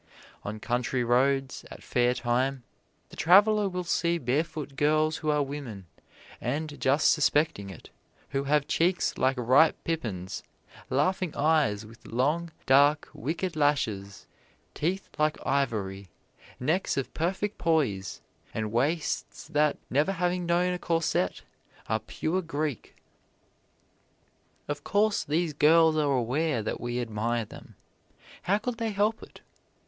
On country roads, at fair time, the traveler will see barefoot girls who are women, and just suspecting it, who have cheeks like ripe pippins; laughing eyes with long, dark, wicked lashes; teeth like ivory; necks of perfect poise; and waists that, never having known a corset, are pure Greek. Of course, these girls are aware that we admire them how could they help it?